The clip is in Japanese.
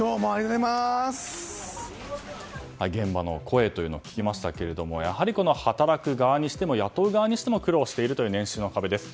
現場の声というのを聞きましたがやはり働く側にしても雇う側にしても苦労しているという年収の壁です。